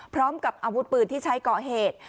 พร้อมกับอาวุธปืนที่ใช้ก่อเหตุ